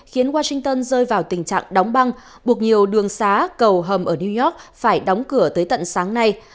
khiến washington rơi vào tình trạng đóng băng buộc nhiều đường xá cầu hầm ở new york phải đóng cửa tới tận sáng nay